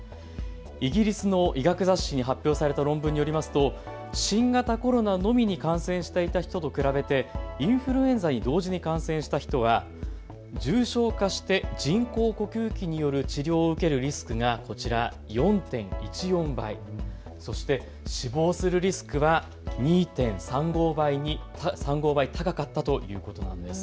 イギリスの医学雑誌に発表された論文によりますと、新型コロナのみに感染していた人と比べインフルエンザに同時に感染した人は重症化して人工呼吸器による治療を受けるリスクがこちら、４．１４倍、そしてそして死亡するリスクは２．３５倍高かったということなんです。